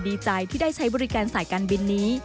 ดีใจที่ได้ใช้บริการสายการบินนี้